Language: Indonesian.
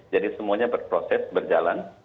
jadi semuanya berproses berjalan